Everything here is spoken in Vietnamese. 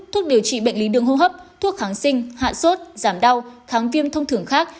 thuốc điều trị bệnh lý đường hô hấp thuốc kháng sinh hạ sốt giảm đau kháng viêm thông thường khác